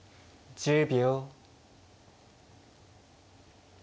１０秒。